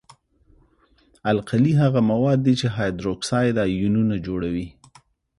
القلي هغه مواد دي چې هایدروکساید آیونونه جوړوي.